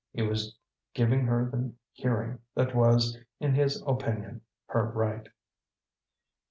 He was giving her the hearing that was, in his opinion, her right.